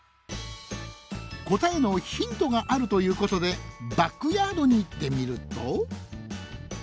答えのヒントがあるということでバックヤードに行ってみると。